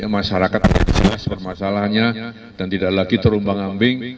masyarakat akan jelas permasalahannya dan tidak lagi terumbang ambing